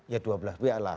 ya dua belas pihak lah